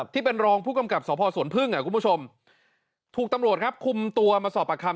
ที่เป็นรองผู้กำกับสพสวนพึ่งคุณผู้ชมถูกตำรวจครับคุมตัวมาสอบประคัม